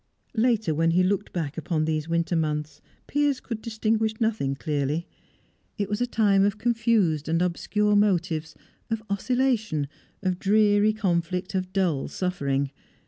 Later, when he looked back upon these winter months, Piers could distinguish nothing clearly. It was a time of confused and obscure motives, of oscillation, of dreary conflict, of dull suffering.